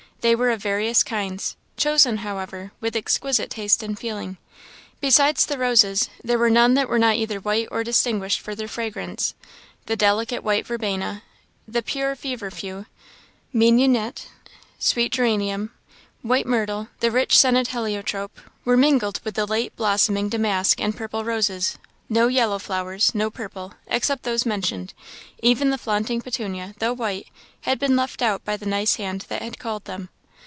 They were of various kinds, chosen, however, with exquisite taste and feeling. Besides the roses, there were none that were not either white or distinguished for their fragrance. The delicate white verbena, the pure feverfew, mignonette, sweet geranium, white myrtle, the rich scented heliotrope, were mingled with the late blossoming damask and purple roses; no yellow flowers, no purple, except those mentioned; even the flaunting petunia, though white, had been left out by the nice hand that had culled them.